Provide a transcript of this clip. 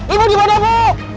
ibu dimana bu